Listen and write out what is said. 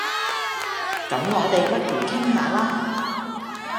咁我哋不如傾吓啦